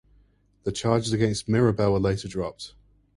The charges against Mirabel were later dropped.